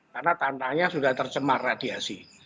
karena tanahnya sudah tercemar radiasi